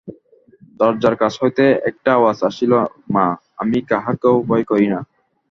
দরজার কাছ হইতে একটা আওয়াজ আসিল মা, আমি কাহাকেও ভয় করি না।